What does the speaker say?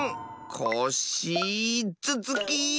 コッシーずつき！